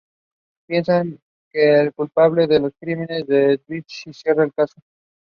Adults are observed from elephant and gaur dung.